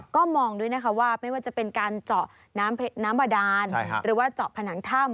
ก็มองด้วยนะคะว่าไม่ว่าจะเป็นการเจาะน้ำบาดานหรือว่าเจาะผนังถ้ำ